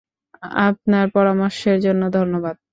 আপনার পরামর্শের জন্য ধন্যবাদ।